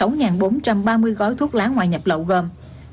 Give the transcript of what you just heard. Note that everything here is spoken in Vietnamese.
sáu bốn trăm ba mươi gói thuốc lá ngoại nhập lậu gồm